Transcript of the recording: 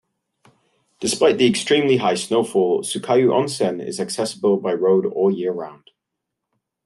Despite the extremely high snowfall, Sukayu Onsen is accessible by road all year round.